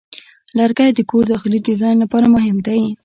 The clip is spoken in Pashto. لرګی د کور داخلي ډیزاین لپاره مهم دی.